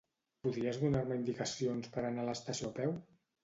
Podries donar-me indicacions per anar a l'estació a peu?